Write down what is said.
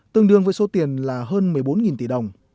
tương đương với số tiền là hơn một mươi bốn tỷ đồng